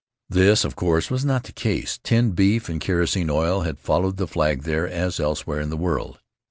This, of course, was not the case. Tinned beef and kerosene oil had followed the flag there as elsewhere in the world.